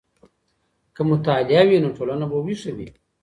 که مطالعه وي، نو ټولنه به ويښه وي.